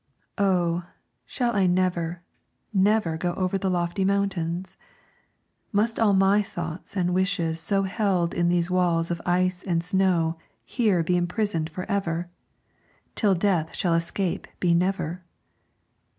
Oh, shall I never, never go Over the lofty mountains? Must all my thoughts and wishes so Held in these walls of ice and snow Here be imprisoned forever? Till death shall escape be never?